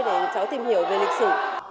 để cháu tìm hiểu về lịch sử